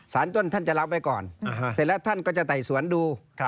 ต้นท่านจะรับไว้ก่อนเสร็จแล้วท่านก็จะไต่สวนดู